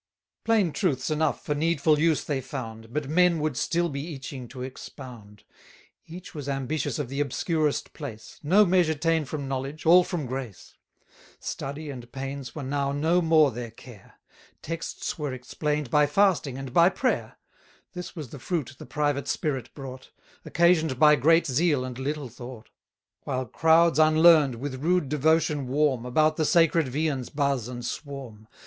Plain truths enough for needful use they found; But men would still be itching to expound: 410 Each was ambitious of the obscurest place, No measure ta'en from knowledge, all from grace. Study and pains were now no more their care; Texts were explain'd by fasting and by prayer: This was the fruit the private spirit brought; Occasion'd by great zeal and little thought. While crowds unlearn'd, with rude devotion warm, About the sacred viands buzz and swarm.